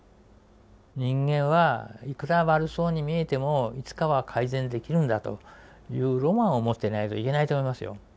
人間はいくら悪そうに見えてもいつかは改善できるんだというロマンを持ってないといけないと思いますよ。